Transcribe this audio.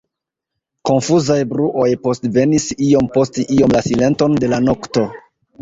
Konfuzaj bruoj postvenis iom post iom la silenton de la nokto.